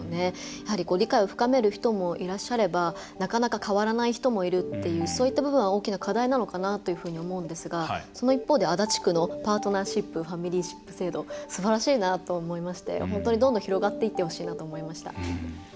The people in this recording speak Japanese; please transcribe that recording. やはり理解を深める人もいらっしゃればなかなか、変わらない人もいるっていう、そういった部分は大きな課題なのかなというふうに思うんですが、その一方で足立区のパートナーシップ・ファミリーシップ制度すばらしいなと思いまして本当にどんどん広がっていってほしいなと思いました。